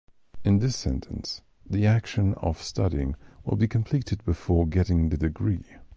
In this sentence, the action of studying will be completed before getting the degree.